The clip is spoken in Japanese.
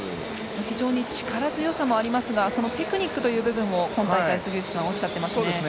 非常に力強さもありますがテクニックという部分を今大会、杉内さんはおっしゃっていますね。